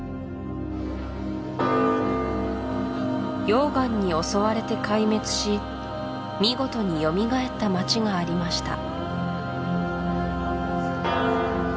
溶岩に襲われて壊滅し見事によみがえった街がありました